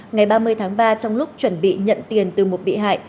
ngày ba mươi tháng ba trong lúc chuẩn bị nhận tiền từ một bị hại